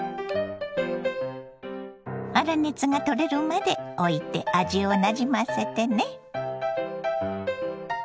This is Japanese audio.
粗熱が取れるまでおいて味をなじませてね。